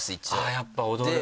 やっぱ踊る？